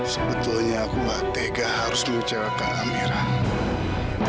sebetulnya aku tak tega harus mengucapkan amirah